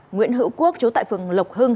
nguyễn hữu quốc trú tại phường lộc hưng